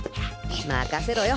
任せろよ。